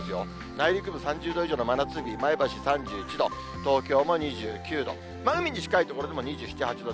内陸部３０度以上の真夏日、前橋３１度、東京も２９度、海に近い所でも２７、８度。